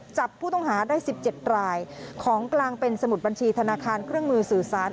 จับผู้ต้องหาได้๑๗รายของกลางเป็นสมุดบัญชีธนาคารเครื่องมือสื่อสาร